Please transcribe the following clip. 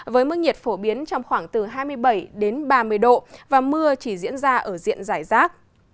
với mức nhiệt phổ biến trong khoảng từ hai mươi bảy đến ba mươi độ và mưa chỉ diễn ra ở diện giải rác